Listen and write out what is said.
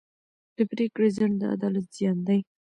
د پرېکړې ځنډ د عدالت زیان دی.